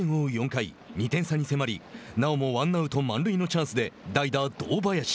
４回２点差に迫りなおもワンアウト、満塁のチャンスで代打、堂林。